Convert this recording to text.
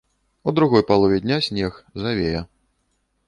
У другой палове дня снег, завея.